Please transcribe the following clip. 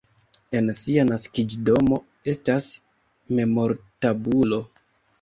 En sia naskiĝdomo estas memortabulo.